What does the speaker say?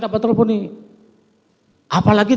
dan pemimpin atau